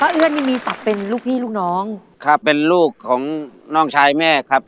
เอื้อนนี่มีศักดิ์เป็นลูกพี่ลูกน้องครับเป็นลูกของน้องชายแม่ครับ